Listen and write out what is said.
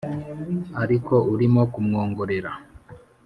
ariko urimo kumwongorera